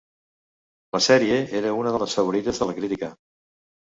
La sèrie era una de les favorites de la crítica.